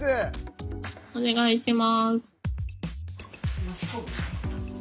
お願いします。